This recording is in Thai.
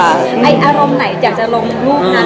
อารมณ์ไหนอยากจะลงรูปนั้น